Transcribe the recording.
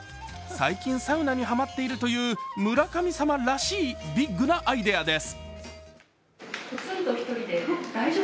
最近、サウナにハマっているという村神様らしいビッグなアイデアです。